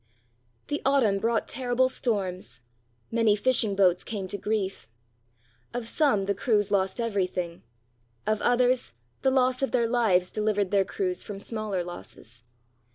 The autumn brought terrible storms. Many fishing boats came to grief. Of some, the crews lost everything: of others, the loss of their lives delivered their crews from smaller losses.